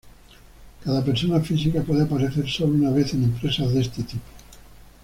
Cada persona física puede aparecer sólo una vez en empresas de este tipo.